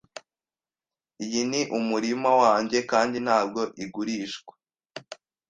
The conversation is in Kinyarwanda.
Iyi ni umurima wanjye, kandi ntabwo igurishwa.